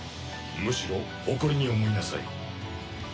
むしろ誇りに思いなさい。